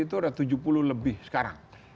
itu ada tujuh puluh lebih sekarang